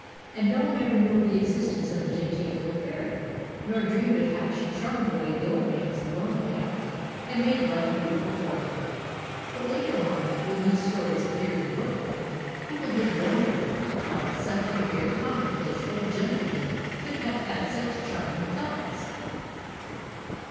And no one ever knew of the existence of the dainty little fairy, nor dreamed of how she charmed away the old man's lonely hours and made life beautiful for him. But later on, when these stories appeared in book form, people did wonder how such a very commonplace old gentleman could have had such charming thoughts.